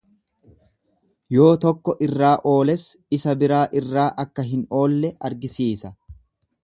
Yoo tokko irraa ooles, isa biraa irraa akka hin oolle argisiisa.